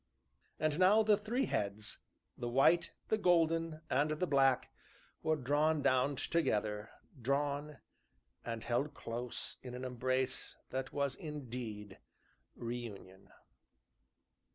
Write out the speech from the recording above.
And now the three heads the white, the golden, and the black were drawn down together, drawn, and held close in an embrace that was indeed reunion.